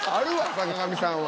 坂上さんは。